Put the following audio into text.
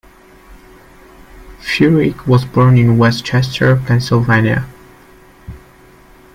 Furyk was born in West Chester, Pennsylvania.